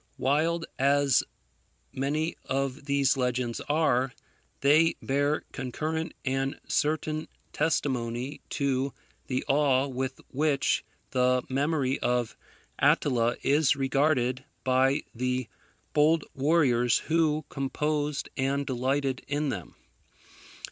Wild as many of these legends are, they bear concurrent and certain testimony to the awe with which the memory of Attila was regarded by the bold warriors who composed and delighted in them.